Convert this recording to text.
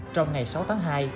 trong ngày sáu tháng hai